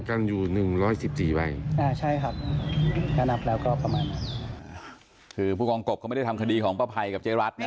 คือผู้กองกบเขาไม่ได้ทำคดีของป้าพัยกับเจ๊รัฐนะ